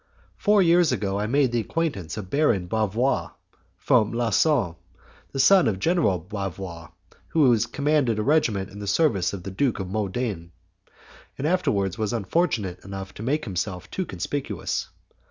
Four years ago, I made the acquaintance of Baron Bavois, from Lausanne, son of General Bavois who commanded a regiment in the service of the Duke of Modena, and afterwards was unfortunate enough to make himself too conspicuous.